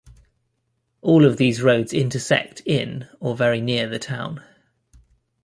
All of these roads intersect in or very near the town.